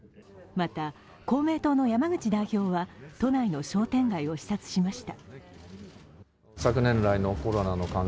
また公明党の山口代表は都内の商店街を視察しました。